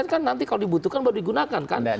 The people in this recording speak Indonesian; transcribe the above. kan nanti kalau dibutuhkan baru digunakan kan